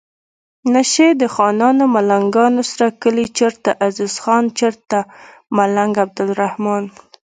نشي د خانانو ملنګانو سره کلي چرته عزیز خان چرته ملنګ عبدالرحمان